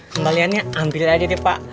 kembaliannya ambil aja pak